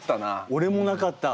俺もなかった。